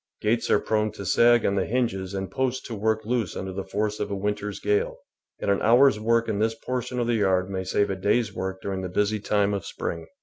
Gates are prone to sag on the hinges and posts to work loose under the force of a winter's gale, and an hour's work in this portion of the yard may save a day's work during the busy time of spring.